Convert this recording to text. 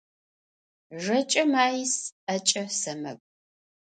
Жэкӏэ маис, ӏэкӏэ сэмэгу.